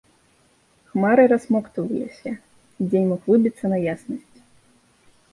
Хмары рассмоктваліся, і дзень мог выбіцца на яснасць.